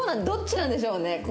どっちなんでしょうね？